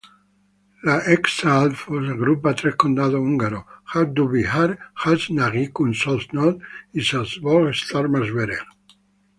La Észak-Alföld agrupa tres condados húngaros: Hajdú-Bihar, Jász-Nagykun-Szolnok y Szabolcs-Szatmár-Bereg.